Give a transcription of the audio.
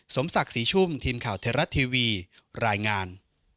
สมศักดิ์ศรีชุ่มทีมข่าวไทยรัฐทีวีรายงาน